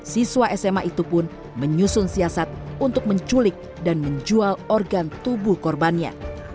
siswa sma itu pun menyusun siasat untuk menculik dan menjual organ tubuh korbannya